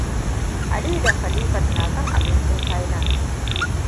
Aliyu da Khalifat na son abincin Thailand.